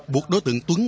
buộc đối tượng túng